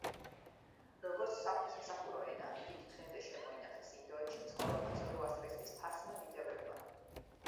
როგორც საღვთისმსახურო ენა, იგი დღემდე შემოინახეს ინდოეთში მცხოვრებმა ზოროასტრიზმის ფარსმა მიმდევრებმა.